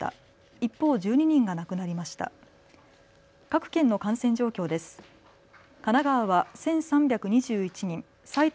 一方、１２人が亡くなりました。